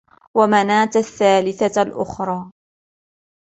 وَمَنَاةَ الثَّالِثَةَ الْأُخْرَى